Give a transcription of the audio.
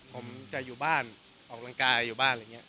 ผมจะอยู่บ้านออกกำลังกายอยู่บ้านอะไรอย่างนี้